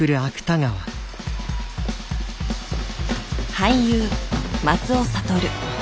俳優松尾諭。